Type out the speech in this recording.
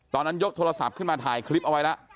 ยกโทรศัพท์ขึ้นมาถ่ายคลิปเอาไว้แล้ว